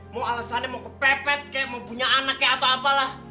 mau alasannya mau kepepet kayak mau punya anak kayak atau apalah